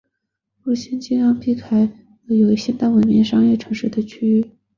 路线选择尽量的避开了有现代文明商业痕迹的区域。